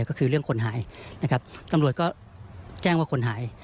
ก็คือเรื่องคนหายนะครับตำรวจก็แจ้งว่าคนหาย